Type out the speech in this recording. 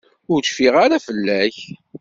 Ur cfiɣ ara fell-ak.